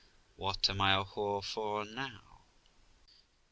What am I a whore for now ?